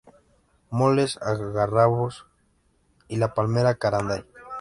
Molles, algarrobos y la palmera caranday.